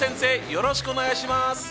よろしくお願いします！